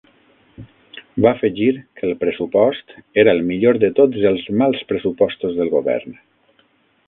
Va afegir que el pressupost era el millor de tots els mals pressupostos del govern.